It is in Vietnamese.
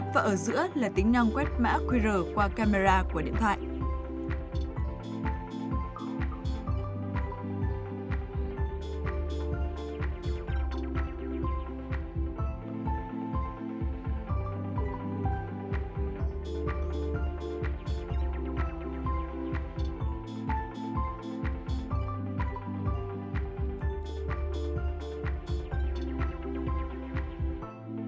hãy đăng ký kênh để nhận thông tin nhất